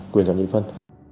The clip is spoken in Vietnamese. quyền chọn nghị phân